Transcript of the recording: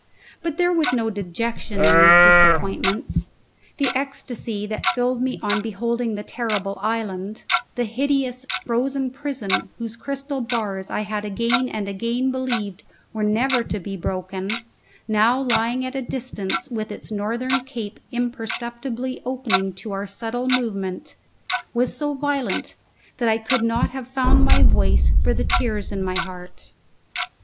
But there was no dejection in these disappointments; the ecstasy that filled me on beholding the terrible island, the hideous frozen prison whose crystal bars I had again and again believed were never to be broken, now lying at a distance with its northern cape imperceptibly opening to our subtle movement, was so violent that I could not have found my voice for the tears in my heart.